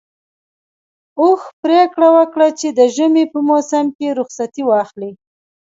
اوښ پرېکړه وکړه چې د ژمي په موسم کې رخصتي واخلي.